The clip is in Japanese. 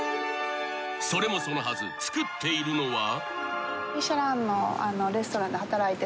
［それもそのはず作っているのは］